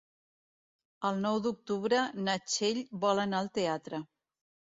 El nou d'octubre na Txell vol anar al teatre.